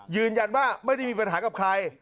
ยืนยันว่าไม่ได้มีปัญหากับใคร